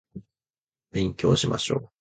勉強しましょう